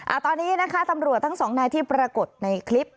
ตอนนี้นะคะตำรวจทั้งสองนายที่ปรากฏในคลิป